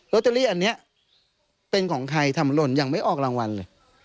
เตอรี่อันนี้เป็นของใครทำหล่นยังไม่ออกรางวัลเลย